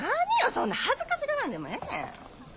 そんな恥ずかしがらんでもええねん。